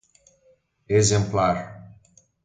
exemplar